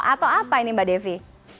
atau apa ini mbak devi